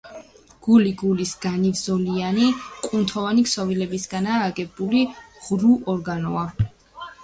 გული, გულის განივზოლიანი კუნთოვანი ქსოვილისაგან აგებული ღრუ ორგანოა.